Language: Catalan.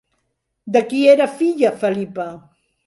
De qui era filla Felipa?